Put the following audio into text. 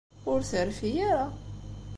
Ur terfi ara.